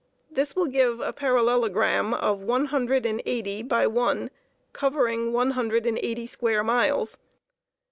This will give a parallelogram of one hundred and eighty by one, covering one hundred and eighty square miles.